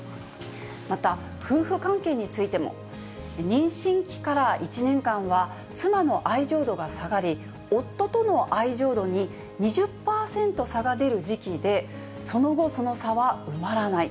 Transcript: また、夫婦関係についても、妊娠期から１年間は、妻の愛情度が下がり、夫との愛情度に２０％差が出る時期で、その後、その差は埋まらない。